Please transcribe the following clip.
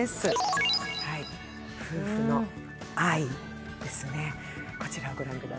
夫婦の愛です。